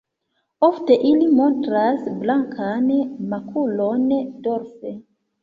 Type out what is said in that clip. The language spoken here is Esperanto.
Ofte ili montras blankan makulon dorse.